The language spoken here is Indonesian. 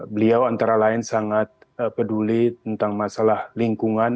beliau antara lain sangat peduli tentang masalah lingkungan